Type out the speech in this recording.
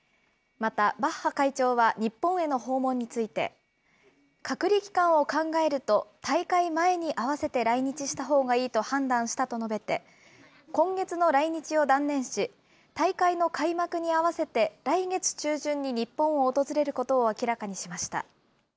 またバッハ会長は日本への訪問について、隔離期間を考えると、大会前に合わせて来日したほうがいいと判断したと述べて、今月の来日を断念し、大会の開幕に合わせて来月中旬に日本を訪れることを明らかにしました。